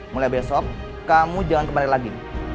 mulai besok kamu jangan kembali lagi